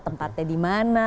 tempatnya di mana